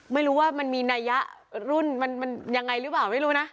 ไม่รู้ว่ามันมีนัยะรุ่นมันยังไงหรือเปล่าไม่รู้นะ